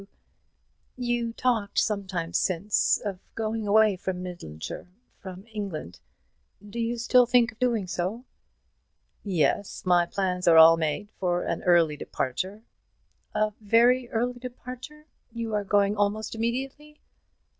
You talked some time since of going away from Midlandshire from England; do you still think of doing so?" "Yes, my plans are all made for an early departure." "A very early departure? You are going almost immediately?"